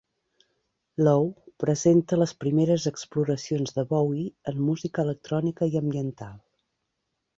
"Low" presenta les primeres exploracions de Bowie en música electrònica i ambiental.